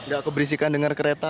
gak keberisikan denger kereta